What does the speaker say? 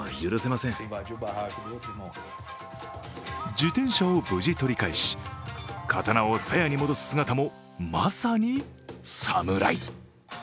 自転車を無事、取り返し、刀をさやに戻す姿もまさにサムライ。